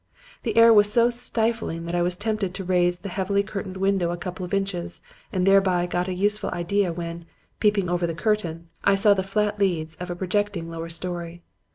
The air was so stifling that I was tempted to raise the heavily curtained window a couple of inches; and thereby got a useful idea when, by peeping over the curtain, I saw the flat leads of a projecting lower story.